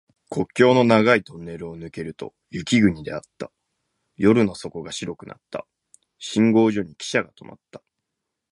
国境の長いトンネルを抜けると雪国であった。夜の底が白くなった。信号所にきしゃが止まった。